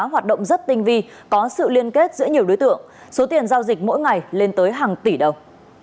hoạt động rất tinh vi có sự liên kết giữa nhiều đối tượng số tiền giao dịch mỗi ngày lên tới hàng tỷ đồng